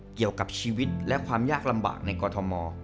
เกี่ยวกับชีวิตและความยากลำบากในกรทม